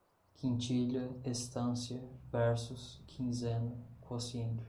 Quintilha, estância, versos, quinzena, quociente